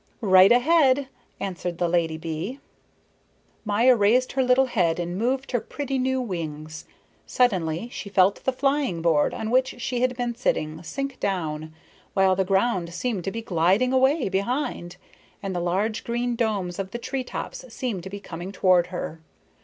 "Right ahead!" answered the lady bee. Maya raised her little head and moved her pretty new wings. Suddenly she felt the flying board on which she had been sitting sink down, while the ground seemed to be gliding away behind, and the large green domes of the tree tops seemed to be coming toward her.